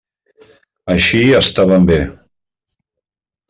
Així estaven bé.